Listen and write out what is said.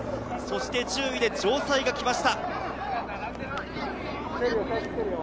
１０位で城西が来ました。